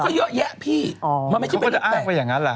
เขาเยอะแยะพี่เขาก็จะอ้างไปอย่างนั้นแหละฮะ